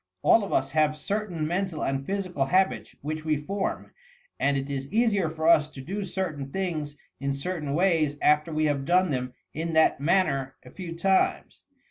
All of us have certain mental and physical habits which we form, and it is easier for us to do certain things in certain ways after we have done them in that manner a few times.